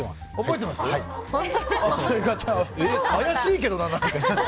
怪しいけどな。